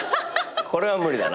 これは無理だな。